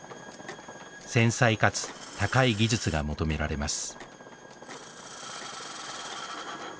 繊細かつ高い技術が求められます。